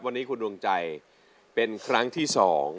วันนี้คุณดวงใจเป็นครั้งที่๒